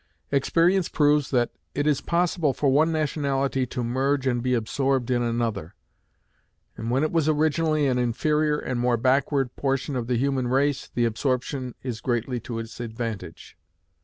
Experience proves that it is possible for one nationality to merge and be absorbed in another; and when it was originally an inferior and more backward portion of the human race, the absorption is greatly to its advantage.